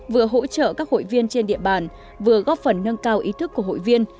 vừa hỗ trợ các hội viên trên địa bàn vừa góp phần nâng cao ý thức của hội viên